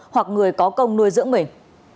hoặc người có công nuôi dưỡng mình